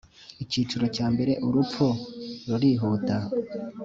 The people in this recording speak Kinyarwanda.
Icyiciro Cya Mbere Urupfu Rurihuta